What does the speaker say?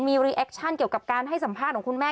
มีรีแอคชั่นเกี่ยวกับการให้สัมภาษณ์ของคุณแม่